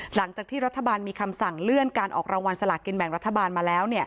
หลังจากที่รัฐบาลมีคำสั่งเลื่อนการออกรางวัลสลากินแบ่งรัฐบาลมาแล้ว